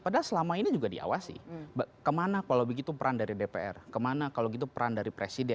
padahal selama ini juga diawasi kemana kalau begitu peran dari dpr kemana kalau gitu peran dari presiden